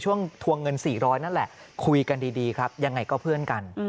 ทวงเงิน๔๐๐นั่นแหละคุยกันดีครับยังไงก็เพื่อนกัน